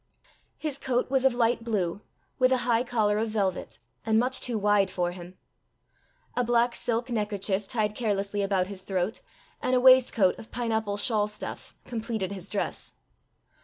His coat was of light blue, with a high collar of velvet, and much too wide for him. A black silk neckerchief tied carelessly about his throat, and a waistcoat of pineapple shawl stuff, completed his dress.